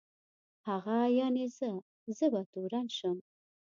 هغه یعني زه، زه به تورن شم.